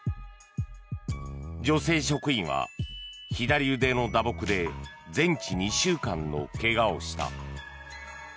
女性職員は左腕の打撲で全治２週間の怪我をした。